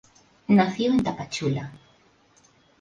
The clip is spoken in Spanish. Nació en Tapachula.